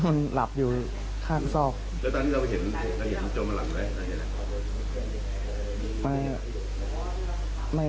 มันหลับอย่างไรยังครับ